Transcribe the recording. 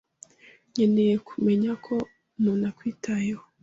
Nkeneye kumenya ko umuntu akwitayeho.